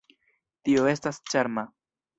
Tio estas ĉarma.